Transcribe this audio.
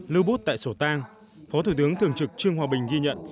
lưu bút tại sổ tang phó thủ tướng thường trực trương hòa bình ghi nhận